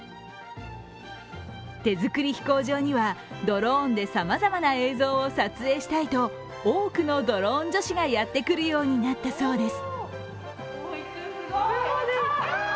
手作り飛行場にはドローンでさまざまな映像を撮影したいと多くのドローン女子がやってくるようになったそうです。